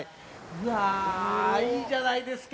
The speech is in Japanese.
うわいいじゃないですか。